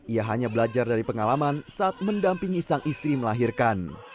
ia hanya belajar dari pengalaman saat mendampingi sang istri melahirkan